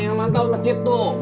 yang mantau masjid tuh